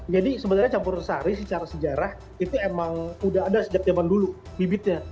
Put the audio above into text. jadi sebenarnya campur sari secara sejarah itu emang udah ada sejak zaman dulu bibitnya